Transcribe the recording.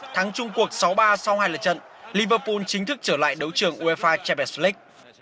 thắng chung cuộc sáu mươi ba sau hai lần trận liverpool chính thức trở lại đấu trường uefa champions league